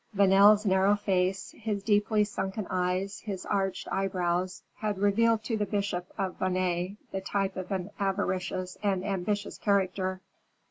Vanel's narrow face, his deeply sunken eyes, his arched eyebrows, had revealed to the bishop of Vannes the type of an avaricious and ambitious character.